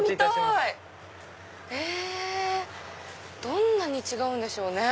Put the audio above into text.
どんなに違うんでしょうね？